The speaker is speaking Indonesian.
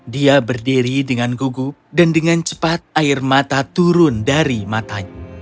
dia berdiri dengan gugup dan dengan cepat air mata turun dari matanya